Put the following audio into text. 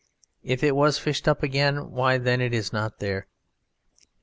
If it was fished up again, why then it is not there.